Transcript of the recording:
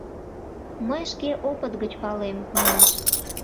Мый шке опыт гыч палем, — манеш.